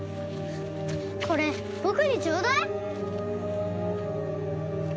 これ僕にちょうだい！